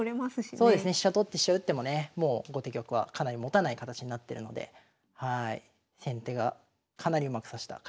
そうですね飛車取って飛車打ってもねもう後手玉はかなりもたない形になってるので先手がかなりうまく指した快勝譜となりました。